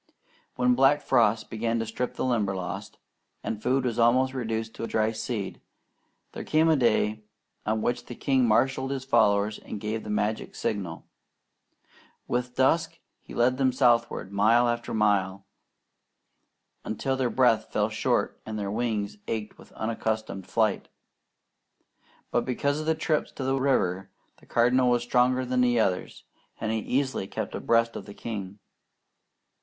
When black frosts began to strip the Limberlost, and food was almost reduced to dry seed, there came a day on which the king marshalled his followers and gave the magic signal. With dusk he led them southward, mile after mile, until their breath fell short, and their wings ached with unaccustomed flight; but because of the trips to the river, the Cardinal was stronger than the others, and he easily kept abreast of the king.